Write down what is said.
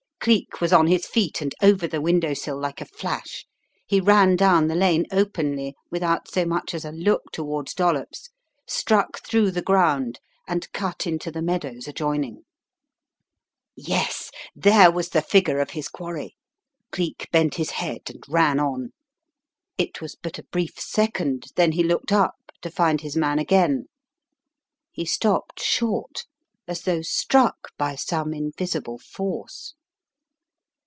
Cleek was on his feet and over the window sill like a flash. He ran down the lane openly, without so much as a look toward Dollops, struck through the ground, and cut into the meadows adjoining. 254 The Riddle of the Purple Emperor Yes! — there was the figure of his quarry. Cleek bent his head and ran on. It was but a brief second, then he looked up, to find his man again. He stopped short, as though struck by some invisible force.